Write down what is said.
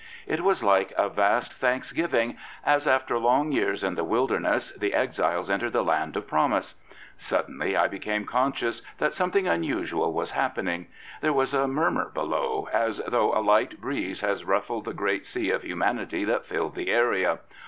It was like a vast thanksgiving as, after long years in the wilderness, the exiles entered the land of promise. Suddenly I became conscious that something unusual was happening. There was a murmur below, as though a light breeze had ruffled the great sea of humanity that filled the area.